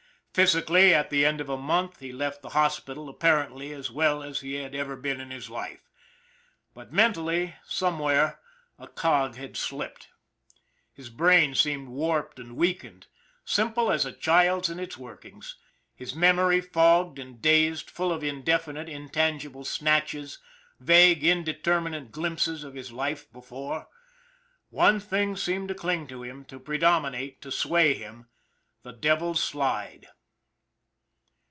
Physically, at the end of a month, he left the hospital apparently as well as he had ever been in his life; but mentally, somewhere, a cog 172 ON THE IRON AT BIG CLOUD had slipped. His brain seemed warped and weakened, simple as a child's in its workings ; his memory fogged and dazed, full of indefinite, intangible snatches, vague, indeterminate glimpses of his life before. One thing seemed to cling to him, to predominate, to sway him the Devil's Slide.